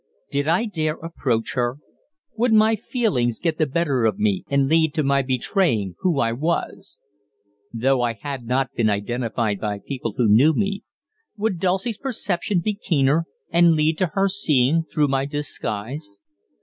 Did I dare approach her? Would my feelings get the better of me and lead to my betraying who I was? Though I had not been identified by people who knew me, would Dulcie's perception be keener and lead to her seeing through my disguise?